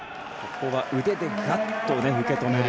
腕でガッと受け止める。